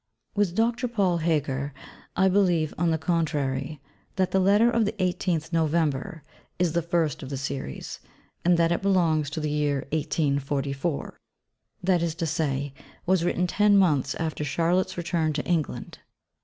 With Dr. Paul Heger, I believe, on the contrary, that the Letter of the 18th November is the first of the series: and that it belongs to the year 1844; that is to say, was written ten months after Charlotte's return to England.